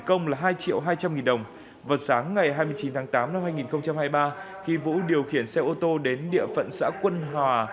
công là hai triệu hai trăm linh nghìn đồng vào sáng ngày hai mươi chín tháng tám năm hai nghìn hai mươi ba khi vũ điều khiển xe ô tô đến địa phận xã quân hòa